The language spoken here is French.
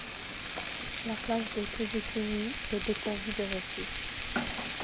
La plage de Kujūkuri est dépourvue de récif.